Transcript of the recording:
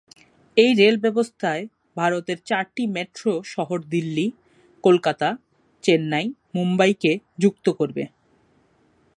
এই রেলব্যবস্থায় ভারতের চারটি মেট্রো শহর দিল্লি, কলকাতা, চেন্নাই, মুম্বাই কে যুক্ত করবে।